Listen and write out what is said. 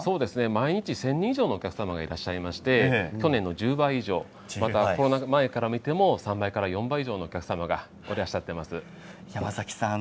毎日１０００人以上のお客様がいらっしゃって去年の１０倍以上コロナ前から見ても３倍から４倍ぐらいのお客様が山崎さんは